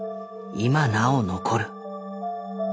今なお残る。